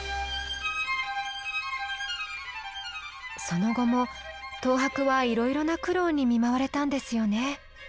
その後も東博はいろいろな苦労に見舞われたんですよね。